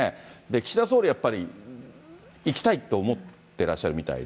岸田総理はやっぱり、行きたいと思ってらっしゃるみたいで。